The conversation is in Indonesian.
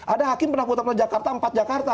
ada hakim pernah potong ke jakarta empat jakarta